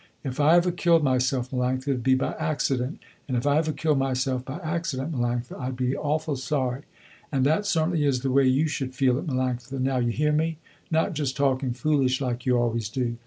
If I ever killed myself, Melanctha it'd be by accident and if I ever killed myself by accident, Melanctha, I'd be awful sorry. And that certainly is the way you should feel it Melanctha, now you hear me, not just talking foolish like you always do.